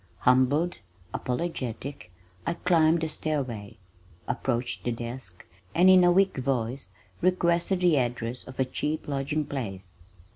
Humbled, apologetic, I climbed the stairway, approached the desk, and in a weak voice requested the address of a cheap lodging place.